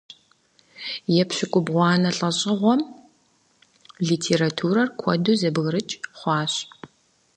Епщыкӏубгъуанэ лӏэщӏыгъуэм литературэр куэду зэбгырыкӏ хъуащ.